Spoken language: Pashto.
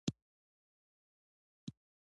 د میلمه مخې ته ښه خواړه ایښودل کیږي.